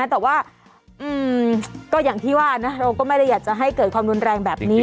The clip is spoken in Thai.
แต่ว่าก็อย่างที่ว่านะเราก็ไม่ได้อยากจะให้เกิดความรุนแรงแบบนี้